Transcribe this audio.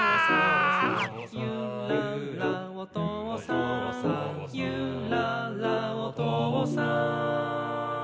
「ゆららおとうさん」「ゆららおとうさん」